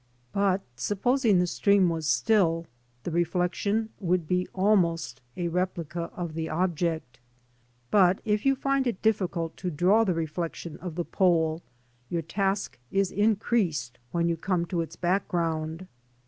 But, supposing the stream was still, the reflection would be almost a replica of the object. But, if you find it difficult to draw the reflection of the pole, your task is increased when you come to its background.